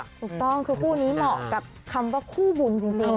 ถูกต้องคือคู่นี้เหมาะกับคำว่าคู่บุญจริง